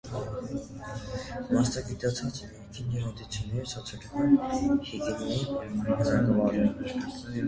Մասնագիտացած է ներքին հիվանդությունների և սոցիալական հիգիենայի բնագավառում։